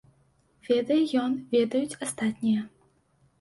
Ведае ён, ведаюць астатнія.